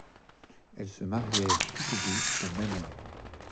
Elles se marièrent toutes deux au même homme.